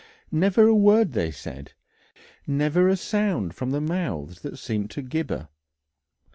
Never a word they said, never a sound from the mouths that seemed to gibber.